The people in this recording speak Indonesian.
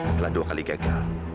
setelah dua kali gagal